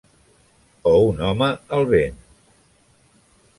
O un home al vent.